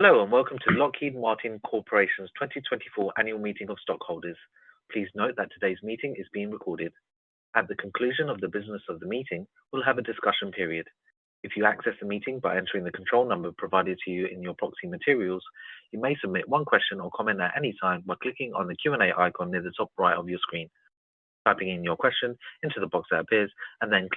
Hello and welcome to Lockheed Martin Corporation's 2024 annual meeting of stockholders. Please note that today's meeting is being recorded. At the conclusion of the business of the meeting, we'll have a discussion period. If you access the meeting by entering the control number provided to you in your proxy materials, you may submit one question or comment at any time by clicking on the Q&A icon near the top right of your screen, typing in your question into the box that appears, and then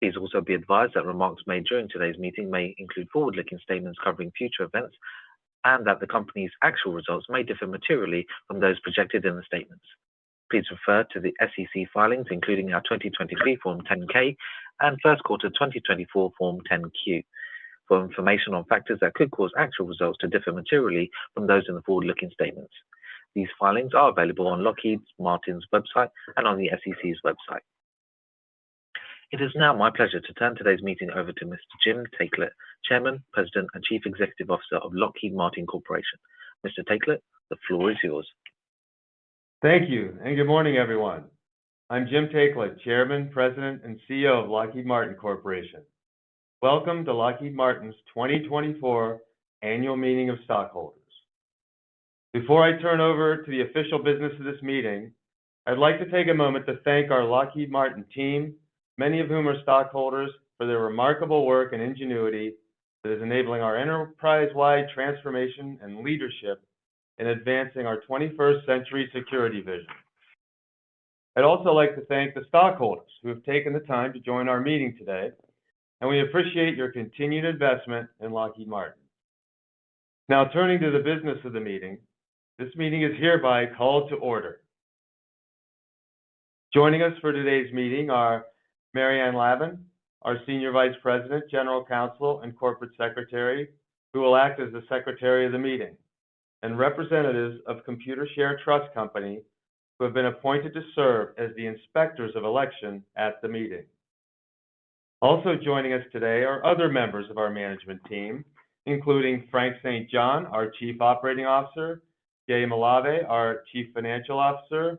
clicking Send. Please also be advised that remarks made during today's meeting may include forward-looking statements covering future events, and that the company's actual results may differ materially from those projected in the statements. Please refer to the SEC filings, including our 2023 Form 10-K and First Quarter 2024 Form 10-Q, for information on factors that could cause actual results to differ materially from those in the forward-looking statements. These filings are available on Lockheed Martin's website and on the SEC's website. It is now my pleasure to turn today's meeting over to Mr. Jim Taiclet, Chairman, President, and Chief Executive Officer of Lockheed Martin Corporation. Mr. Taiclet, the floor is yours. Thank you, and good morning, everyone. I'm Jim Taiclet, Chairman, President, and CEO of Lockheed Martin Corporation. Welcome to Lockheed Martin's 2024 annual meeting of stockholders. Before I turn over to the official business of this meeting, I'd like to take a moment to thank our Lockheed Martin team, many of whom are stockholders, for their remarkable work and ingenuity that is enabling our enterprise-wide transformation and leadership in advancing our 21st-century security vision. I'd also like to thank the stockholders who have taken the time to join our meeting today, and we appreciate your continued investment in Lockheed Martin. Now, turning to the business of the meeting, this meeting is hereby called to order. Joining us for today's meeting are Marianne Lavan, our Senior Vice President, General Counsel, and Corporate Secretary, who will act as the Secretary of the Meeting, and representatives of Computershare Trust Company, who have been appointed to serve as the inspectors of election at the meeting. Also joining us today are other members of our management team, including Frank St. John, our Chief Operating Officer; Jay Malave, our Chief Financial Officer;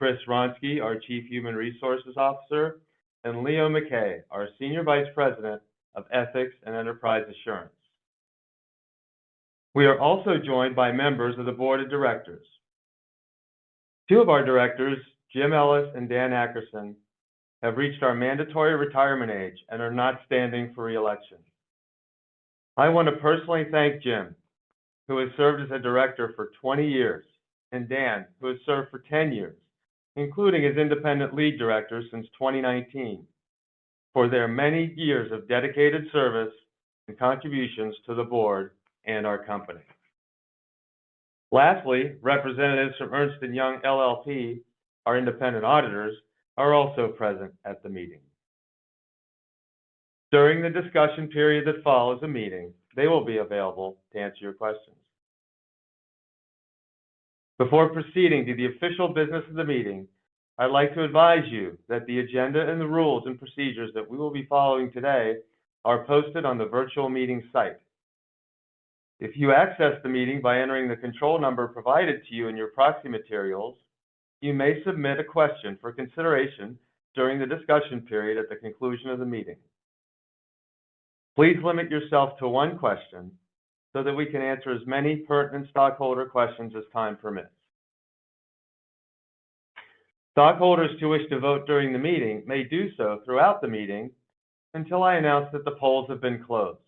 Greg Poling, our Chief Human Resources Officer; and Leo Mackay, our Senior Vice President of Ethics and Enterprise Assurance. We are also joined by members of the Board of Directors. Two of our directors, Jim Ellis and Dan Akerson, have reached our mandatory retirement age and are not standing for reelection. I want to personally thank Jim, who has served as a director for 20 years, and Dan, who has served for 10 years, including as Independent Lead Director since 2019, for their many years of dedicated service and contributions to the board and our company. Lastly, representatives from Ernst & Young LLP, our independent auditors, are also present at the meeting. During the discussion period that follows the meeting, they will be available to answer your questions. Before proceeding to the official business of the meeting, I'd like to advise you that the agenda and the rules and procedures that we will be following today are posted on the virtual meeting site. If you access the meeting by entering the control number provided to you in your proxy materials, you may submit a question for consideration during the discussion period at the conclusion of the meeting. Please limit yourself to one question so that we can answer as many pertinent stockholder questions as time permits. Stockholders who wish to vote during the meeting may do so throughout the meeting until I announce that the polls have been closed.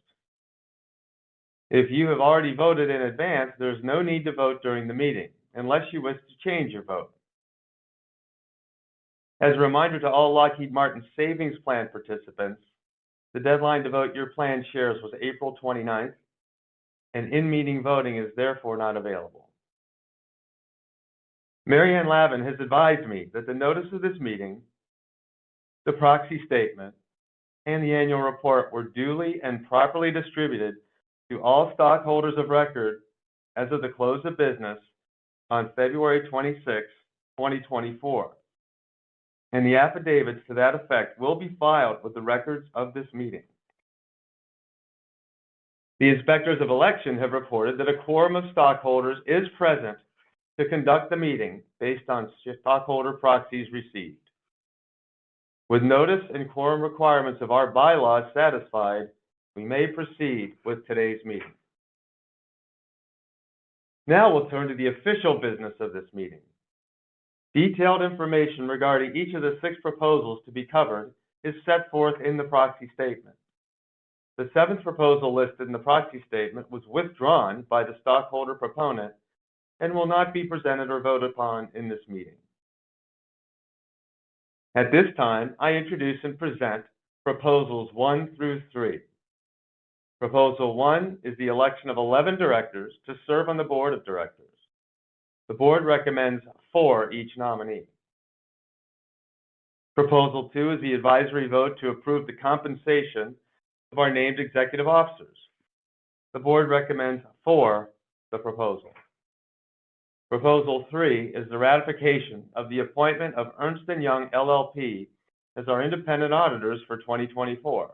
If you have already voted in advance, there is no need to vote during the meeting unless you wish to change your vote. As a reminder to all Lockheed Martin Savings Plan participants, the deadline to vote your plan shares was April 29th, and in-meeting voting is therefore not available. Marianne Lavan has advised me that the notice of this meeting, the proxy statement, and the annual report were duly and properly distributed to all stockholders of record as of the close of business on February 26th, 2024, and the affidavits to that effect will be filed with the records of this meeting. The inspectors of election have reported that a quorum of stockholders is present to conduct the meeting based on stockholder proxies received. With notice and quorum requirements of our bylaws satisfied, we may proceed with today's meeting. Now we'll turn to the official business of this meeting. Detailed information regarding each of the six proposals to be covered is set forth in the Proxy Statement. The seventh proposal listed in the Proxy Statement was withdrawn by the stockholder proponent and will not be presented or voted upon in this meeting. At this time, I introduce and present Proposals one through three. Proposal one is the election of 11 directors to serve on the board of directors. The board recommends for each nominee. Proposal two is the advisory vote to approve the compensation of our named executive officers. The board recommends for the proposal. Proposal three is the ratification of the appointment of Ernst & Young LLP as our independent auditors for 2024.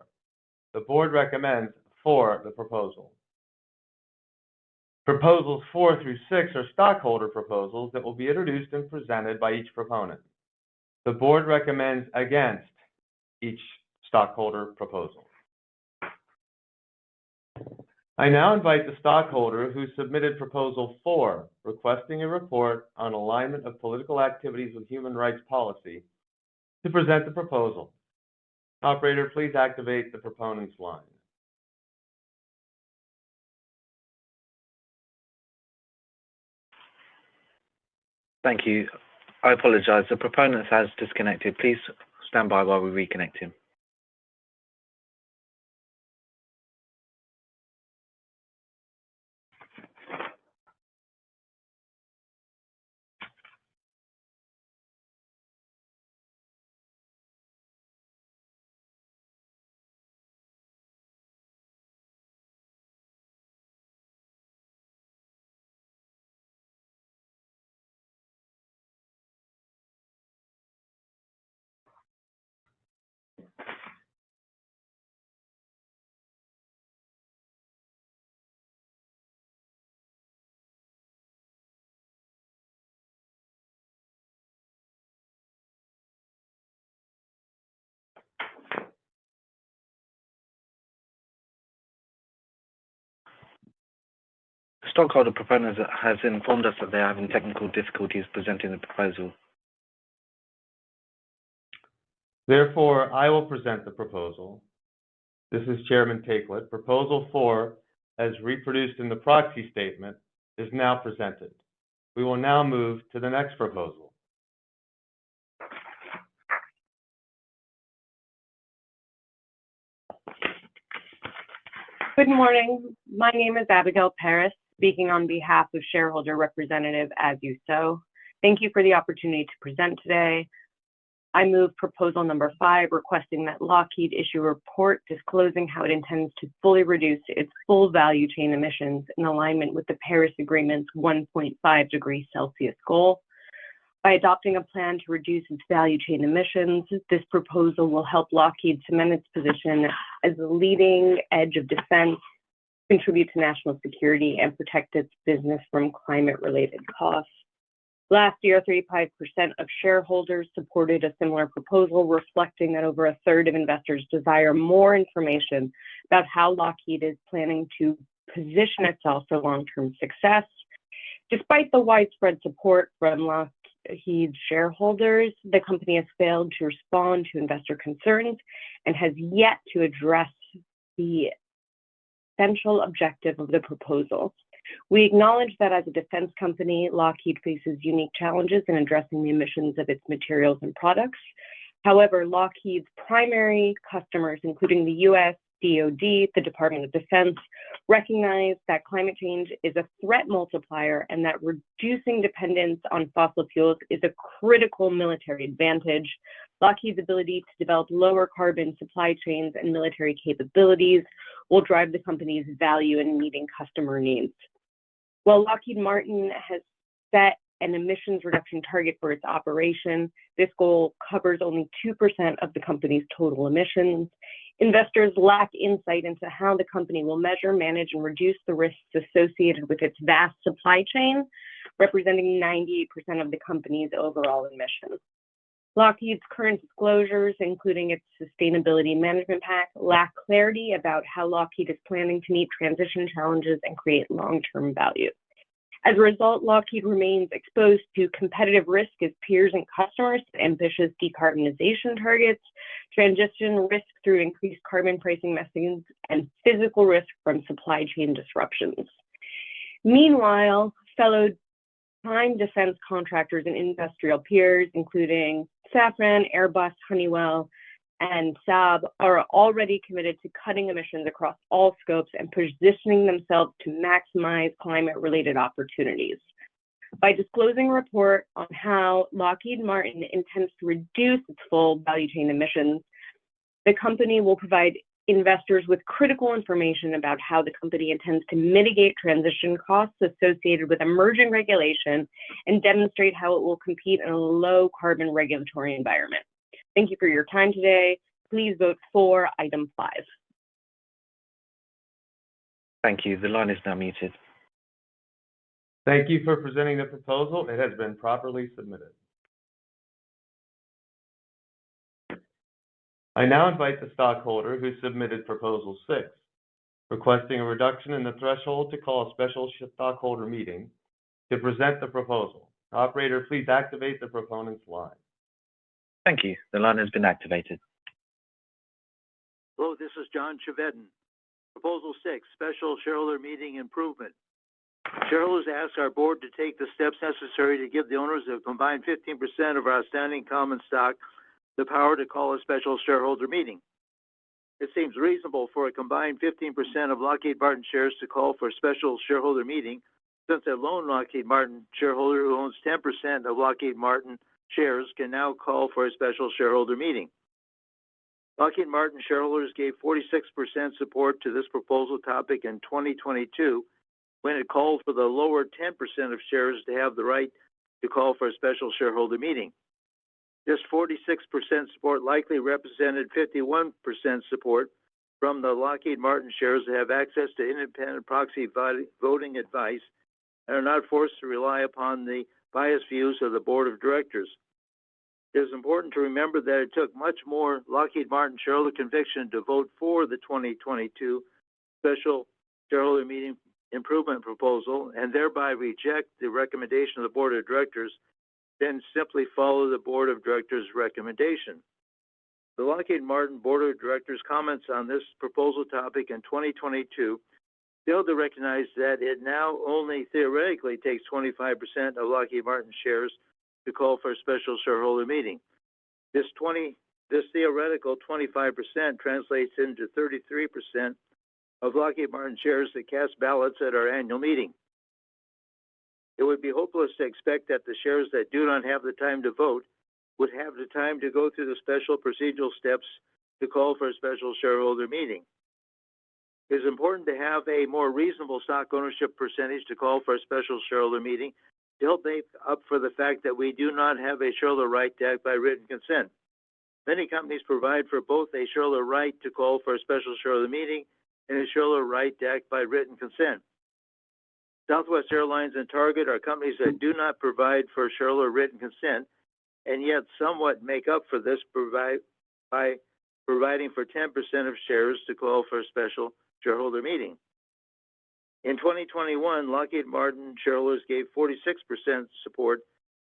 The board recommends for the proposal. Proposals four through six are stockholder proposals that will be introduced and presented by each proponent. The board recommends against each stockholder proposal. I now invite the stockholder who submitted Proposal four requesting a report on alignment of political activities with human rights policy to present the proposal. Operator, please activate the proponent's line. Thank you. I apologize. The proponent has disconnected. Please stand by while we reconnect him. A stockholder proponent has informed us that they are having technical difficulties presenting the proposal. Therefore, I will present the proposal. This is Chairman Taiclet. Proposal four, as reproduced in the Proxy Statement, is now presented. We will now move to the next proposal. Good morning. My name is Abigail Paris, speaking on behalf of shareholder representative As You Sow. Thank you for the opportunity to present today. I move Proposal five requesting that Lockheed issue a report disclosing how it intends to fully reduce its full value chain emissions in alignment with the Paris Agreement's 1.5 degrees Celsius goal. By adopting a plan to reduce its value chain emissions, this proposal will help Lockheed cement its position as the leading edge of defense, contribute to national security, and protect its business from climate-related costs. Last year, 35% of shareholders supported a similar proposal, reflecting that over a third of investors desire more information about how Lockheed is planning to position itself for long-term success. Despite the widespread support from Lockheed's shareholders, the company has failed to respond to investor concerns and has yet to address the essential objective of the proposal. We acknowledge that as a defense company, Lockheed faces unique challenges in addressing the emissions of its materials and products. However, Lockheed's primary customers, including the US DOD, the Department of Defense, recognize that climate change is a threat multiplier and that reducing dependence on fossil fuels is a critical military advantage. Lockheed's ability to develop lower carbon supply chains and military capabilities will drive the company's value and meeting customer needs. While Lockheed Martin has set an emissions reduction target for its operation, this goal covers only 2% of the company's total emissions. Investors lack insight into how the company will measure, manage, and reduce the risks associated with its vast supply chain, representing 98% of the company's overall emissions. Lockheed's current disclosures, including its sustainability management pack, lack clarity about how Lockheed is planning to meet transition challenges and create long-term value. As a result, Lockheed remains exposed to competitive risk as peers and customers ambitious decarbonization targets, transition risk through increased carbon pricing mechanisms, and physical risk from supply chain disruptions. Meanwhile, fellow climate defense contractors and industrial peers, including Safran, Airbus, Honeywell, and Saab, are already committed to cutting emissions across all scopes and positioning themselves to maximize climate-related opportunities. By disclosing a report on how Lockheed Martin intends to reduce its full value chain emissions, the company will provide investors with critical information about how the company intends to mitigate transition costs associated with emerging regulation and demonstrate how it will compete in a low-carbon regulatory environment. Thank you for your time today. Please vote for item five. Thank you. The line is now muted. Thank you for presenting the proposal. It has been properly submitted. I now invite the stockholder who submitted Proposal six requesting a reduction in the threshold to call a special stockholder meeting to present the proposal. Operator, please activate the proponent's line. Thank you. The line has been activated. Hello. This is John Chevedden. Proposal six, special shareholder meeting improvement. Shareholders ask our board to take the steps necessary to give the owners of a combined 15% of our outstanding common stock the power to call a special shareholder meeting. It seems reasonable for a combined 15% of Lockheed Martin shares to call for a special shareholder meeting since a lone Lockheed Martin shareholder who owns 10% of Lockheed Martin shares can now call for a special shareholder meeting. Lockheed Martin shareholders gave 46% support to this proposal topic in 2022 when it called for the lower 10% of shares to have the right to call for a special shareholder meeting. This 46% support likely represented 51% support from the Lockheed Martin shares that have access to independent proxy voting advice and are not forced to rely upon the biased views of the board of directors. It is important to remember that it took much more Lockheed Martin shareholder conviction to vote for the 2022 special shareholder meeting improvement proposal and thereby reject the recommendation of the board of directors than simply follow the board of directors' recommendation. The Lockheed Martin board of directors' comments on this proposal topic in 2022 failed to recognize that it now only theoretically takes 25% of Lockheed Martin shares to call for a special shareholder meeting. This theoretical 25% translates into 33% of Lockheed Martin shares that cast ballots at our annual meeting. It would be hopeless to expect that the shares that do not have the time to vote would have the time to go through the special procedural steps to call for a special shareholder meeting. It is important to have a more reasonable stock ownership percentage to call for a special shareholder meeting to help make up for the fact that we do not have a shareholder right to act by written consent. Many companies provide for both a shareholder right to call for a special shareholder meeting and a shareholder right to act by written consent. Southwest Airlines and Target are companies that do not provide for shareholder written consent and yet somewhat make up for this by providing for 10% of shares to call for a special shareholder meeting. In 2021, Lockheed Martin shareholders gave 46% support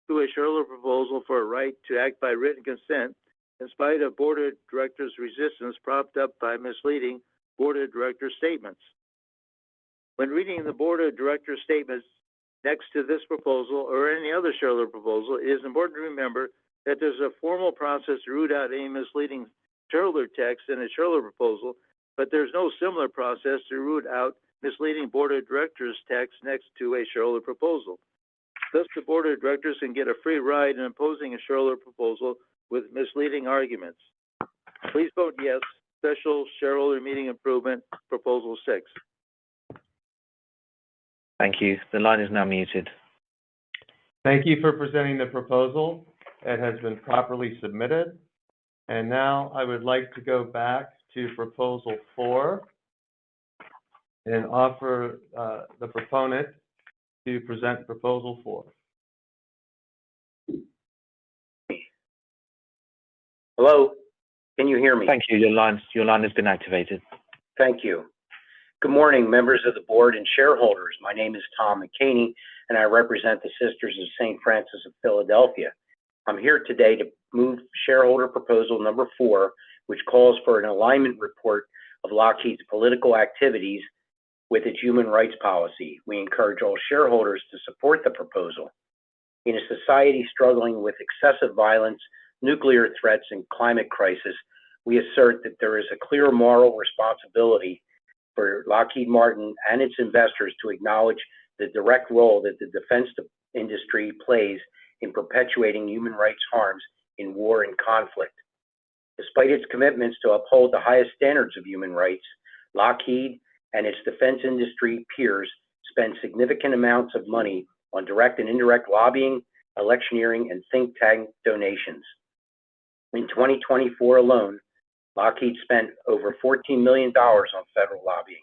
to a shareholder proposal for a right to act by written consent in spite of board of directors' resistance propped up by misleading board of directors' statements. When reading the board of directors' statements next to this proposal or any other shareholder proposal, it is important to remember that there's a formal process to root out any misleading shareholder text in a shareholder proposal, but there's no similar process to root out misleading board of directors' text next to a shareholder proposal. Thus, the board of directors can get a free ride in opposing a shareholder proposal with misleading arguments. Please vote yes to special shareholder meeting improvement Proposal six. Thank you. The line is now muted. Thank you for presenting the proposal. It has been properly submitted. Now I would like to go back to Proposal four and offer the proponent to present Proposal four. Hello. Can you hear me? Thank you. Your line has been activated. Thank you. Good morning, members of the board and shareholders. My name is Tom McCaney, and I represent the Sisters of St. Francis of Philadelphia. I'm here today to move Shareholder Proposal Number four, which calls for an alignment report of Lockheed's political activities with its human rights policy. We encourage all shareholders to support the proposal. In a society struggling with excessive violence, nuclear threats, and climate crisis, we assert that there is a clear moral responsibility for Lockheed Martin and its investors to acknowledge the direct role that the defense industry plays in perpetuating human rights harms in war and conflict. Despite its commitments to uphold the highest standards of human rights, Lockheed and its defense industry peers spend significant amounts of money on direct and indirect lobbying, electioneering, and think tank donations. In 2024 alone, Lockheed spent over $14 million on federal lobbying.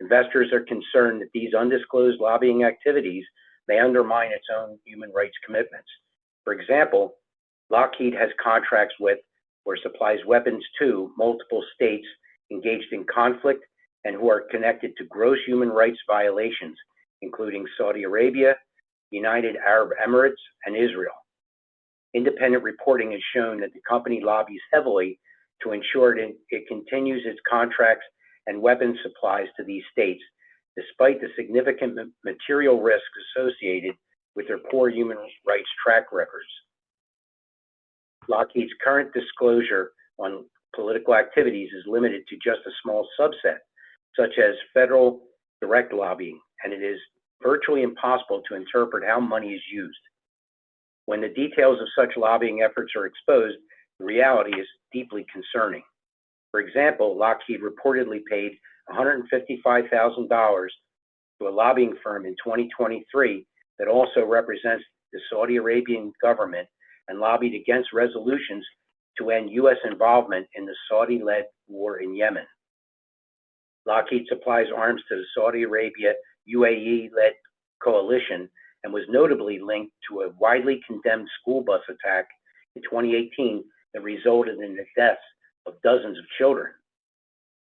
Investors are concerned that these undisclosed lobbying activities may undermine its own human rights commitments. For example, Lockheed has contracts with or supplies weapons to multiple states engaged in conflict and who are connected to gross human rights violations, including Saudi Arabia, United Arab Emirates, and Israel. Independent reporting has shown that the company lobbies heavily to ensure it continues its contracts and weapons supplies to these states, despite the significant material risks associated with their poor human rights track records. Lockheed's current disclosure on political activities is limited to just a small subset, such as federal direct lobbying, and it is virtually impossible to interpret how money is used. When the details of such lobbying efforts are exposed, the reality is deeply concerning. For example, Lockheed reportedly paid $155,000 to a lobbying firm in 2023 that also represents the Saudi Arabian government and lobbied against resolutions to end U.S. involvement in the Saudi-led war in Yemen. Lockheed supplies arms to the Saudi Arabia-UAE-led coalition and was notably linked to a widely condemned school bus attack in 2018 that resulted in the deaths of dozens of children.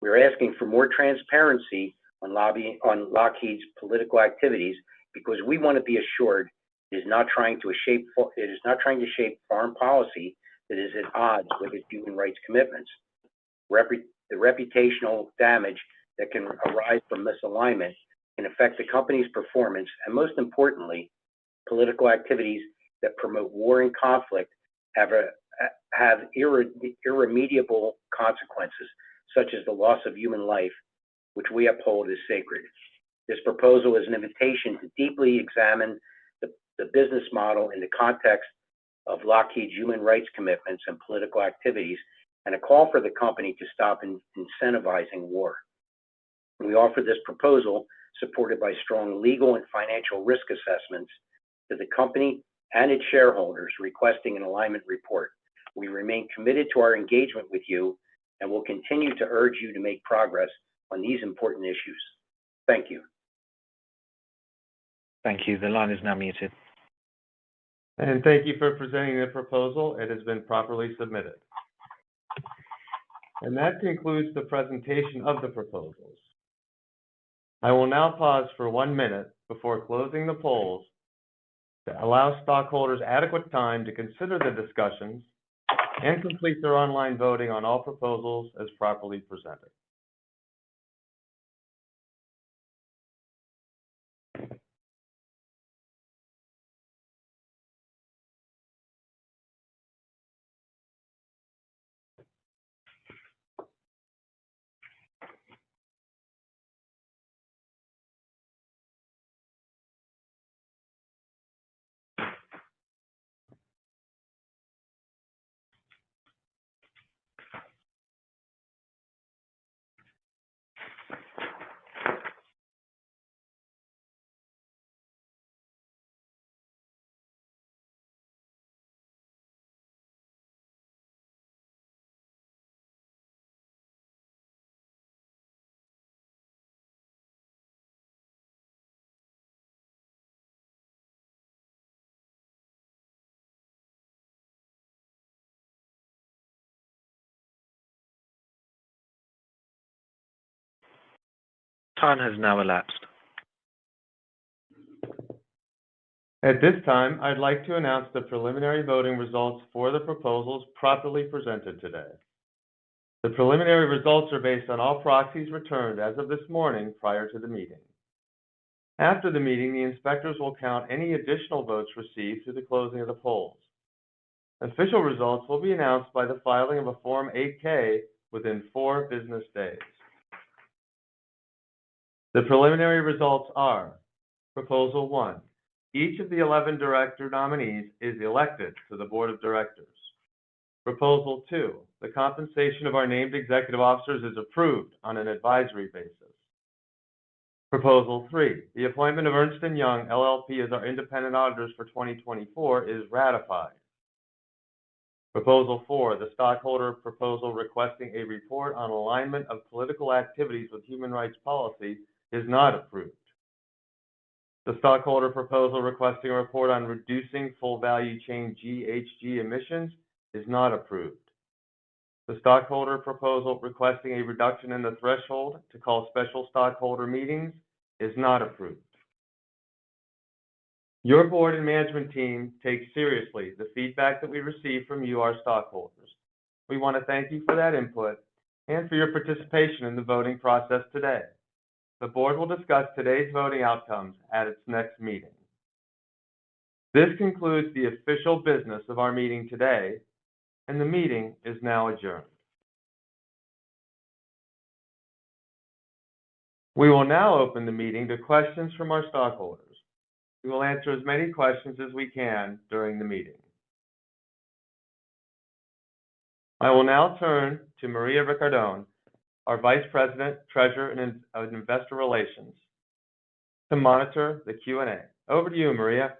We are asking for more transparency on Lockheed's political activities because we want to be assured it is not trying to shape foreign policy that is at odds with its human rights commitments. The reputational damage that can arise from misalignment can affect the company's performance, and most importantly, political activities that promote war and conflict have irremediable consequences, such as the loss of human life, which we uphold as sacred. This proposal is an invitation to deeply examine the business model in the context of Lockheed's human rights commitments and political activities and a call for the company to stop incentivizing war. We offer this proposal, supported by strong legal and financial risk assessments, to the company and its shareholders requesting an alignment report. We remain committed to our engagement with you and will continue to urge you to make progress on these important issues. Thank you. Thank you. The line is now muted. Thank you for presenting the proposal. It has been properly submitted. That concludes the presentation of the proposals. I will now pause for one minute before closing the polls to allow stockholders adequate time to consider the discussions and complete their online voting on all proposals as properly presented. Time has now elapsed. At this time, I'd like to announce the preliminary voting results for the proposals properly presented today. The preliminary results are based on all proxies returned as of this morning prior to the meeting. After the meeting, the inspectors will count any additional votes received through the closing of the polls. Official results will be announced by the filing of a Form 8-K within four business days. The preliminary results are: Proposal one, each of the 11 director nominees is elected to the board of directors. Proposal two, the compensation of our named executive officers is approved on an advisory basis. Proposal 3, the appointment of Ernst & Young LLP as our independent auditors for 2024 is ratified. Proposal four, the stockholder proposal requesting a report on alignment of political activities with human rights policy is not approved. The stockholder proposal requesting a report on reducing full value chain GHG emissions is not approved. The stockholder proposal requesting a reduction in the threshold to call special stockholder meetings is not approved. Your board and management team take seriously the feedback that we receive from you, our stockholders. We want to thank you for that input and for your participation in the voting process today. The board will discuss today's voting outcomes at its next meeting. This concludes the official business of our meeting today, and the meeting is now adjourned. We will now open the meeting to questions from our stockholders. We will answer as many questions as we can during the meeting. I will now turn to Maria Ricciardone, our Vice President, Treasurer and Investor Relations, to monitor the Q&A. Over to you, Maria.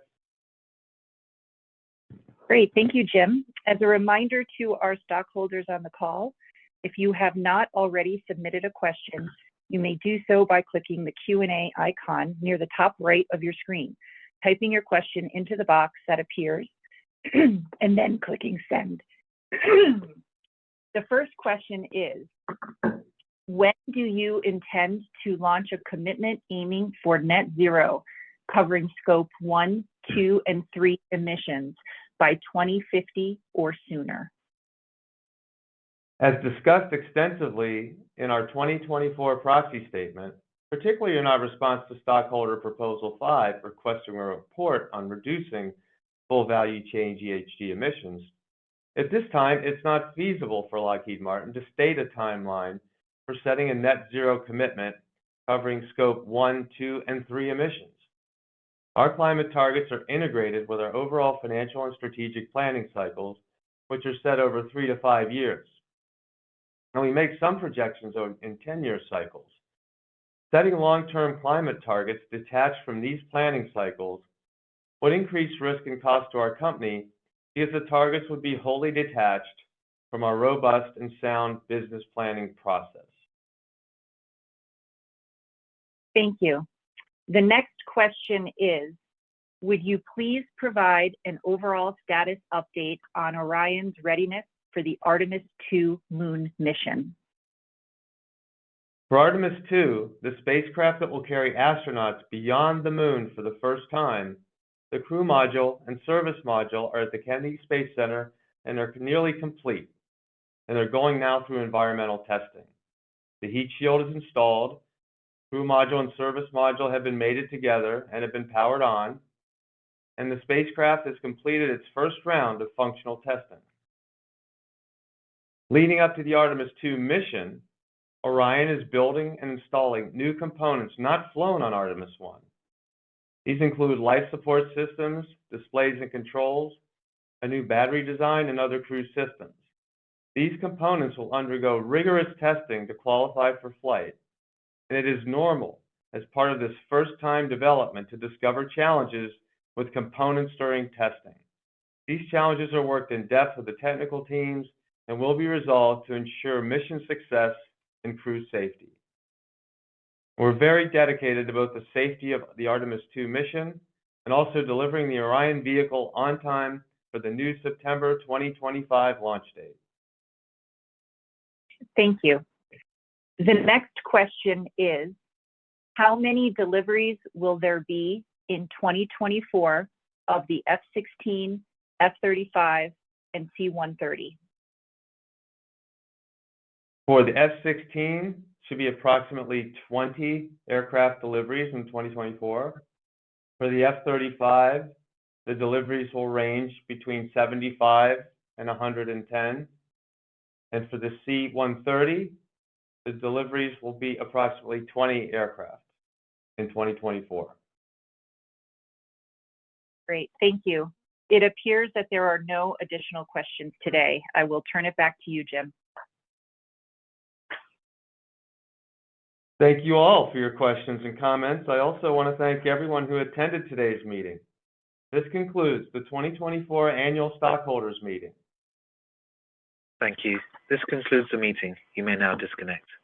Great. Thank you, Jim. As a reminder to our stockholders on the call, if you have not already submitted a question, you may do so by clicking the Q&A icon near the top right of your screen, typing your question into the box that appears, and then clicking Send. The first question is: When do you intend to launch a commitment aiming for net zero covering Scope one, two, and three emissions by 2050 or sooner? As discussed extensively in our 2024 Proxy Statement, particularly in our response to stockholder Proposal five requesting a report on reducing full value chain GHG emissions, at this time, it's not feasible for Lockheed Martin to state a timeline for setting a Net Zero commitment covering Scope one, two, and three emissions. Our climate targets are integrated with our overall financial and strategic planning cycles, which are set over three to five years. We make some projections in 10-year cycles. Setting long-term climate targets detached from these planning cycles would increase risk and cost to our company because the targets would be wholly detached from our robust and sound business planning process. Thank you. The next question is: Would you please provide an overall status update on Orion's readiness for the Artemis II Moon mission? For Artemis II, the spacecraft that will carry astronauts beyond the Moon for the first time, the crew module and service module are at the Kennedy Space Center and are nearly complete, and they're going now through environmental testing. The heat shield is installed. Crew module and service module have been mated together and have been powered on, and the spacecraft has completed its first round of functional testing. Leading up to the Artemis II mission, Orion is building and installing new components not flown on Artemis I. These include life support systems, displays, and controls, a new battery design, and other crew systems. These components will undergo rigorous testing to qualify for flight, and it is normal as part of this first-time development to discover challenges with components during testing. These challenges are worked in depth with the technical teams and will be resolved to ensure mission success and crew safety. We're very dedicated to both the safety of the Artemis II mission and also delivering the Orion vehicle on time for the new September 2025 launch date. Thank you. The next question is: How many deliveries will there be in 2024 of the F-16, F-35, and C-130? For the F-16, it should be approximately 20 aircraft deliveries in 2024. For the F-35, the deliveries will range between 75 and 110. For the C-130, the deliveries will be approximately 20 aircraft in 2024. Great. Thank you. It appears that there are no additional questions today. I will turn it back to you, Jim. Thank you all for your questions and comments. I also want to thank everyone who attended today's meeting. This concludes the 2024 annual stockholders' meeting. Thank you. This concludes the meeting. You may now disconnect.